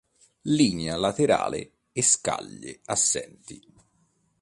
Linea laterale e scaglie assenti.